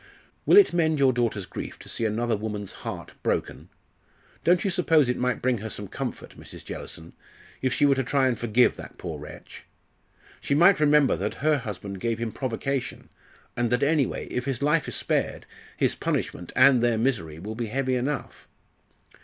"Will it mend your daughter's grief to see another woman's heart broken? Don't you suppose it might bring her some comfort, Mrs. Jellison, if she were to try and forgive that poor wretch? She might remember that her husband gave him provocation, and that anyway, if his life is spared, his punishment and their misery will be heavy enough!"